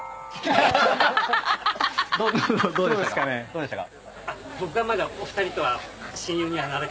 どうでしたか？